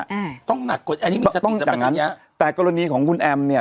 อืมต้องหนัดกฎอันนี้มีสติสัมพันธ์ชันยะต้องจากนั้นแต่กรณีของคุณแอมเนี่ย